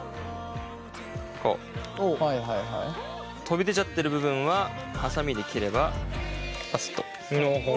飛び出ちゃってる部分はハサミで切ればパスッと。